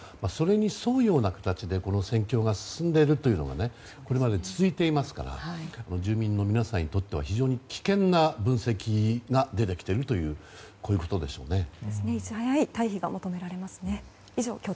それに沿うような形で戦況が進んでいるというのがこれまで続いていますから住民の皆さんにとっては非常に危険な分析が出てきているということでしょうね。